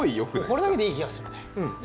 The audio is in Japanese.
これだけでいい気がするね。